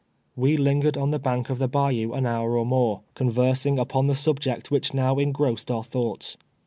AVe lingered on the bank of the bayou an hour or more, conversing uj^on the subject which now engrossed our MT FAITH m BASS. 273 thoughts.